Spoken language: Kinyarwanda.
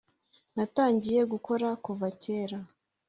natangiye gukora kuva kera